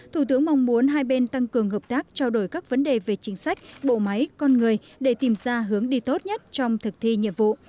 thủ tướng mong muốn hai bên tăng cường hợp tác trao đổi các vấn đề về chính sách bộ máy con người để tìm ra hướng đi tốt nhất trong thực thi nhiệm vụ